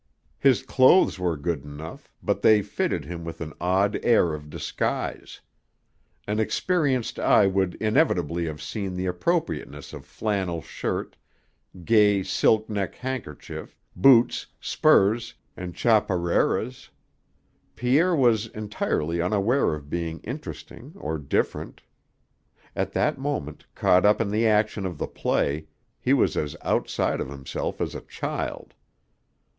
His clothes were good enough, but they fitted him with an odd air of disguise. An experienced eye would inevitably have seen the appropriateness of flannel shirt, gay silk neck handkerchief, boots, spurs, and chaparreras. Pierre was entirely unaware of being interesting or different. At that moment, caught up in the action of the play, he was as outside of himself as a child.